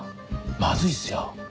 まずいですよ。